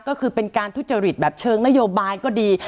ก็คือเป็นการทุจริตแบบเชิงนโยบายก็ดี